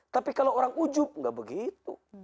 tapi kalau orang ujum gak begitu